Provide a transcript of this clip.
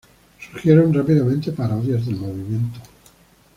Surgieron rápidamente parodias del movimiento.